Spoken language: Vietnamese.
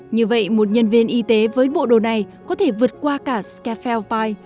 như vậy một nhân viên y tế với bộ đồ này có thể vượt qua cả scafell valley